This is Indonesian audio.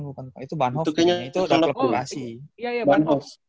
itu bukan bukan itu bahnhof itu nge upload violasi